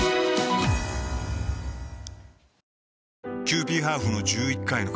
キユーピーハーフの１１回の改良は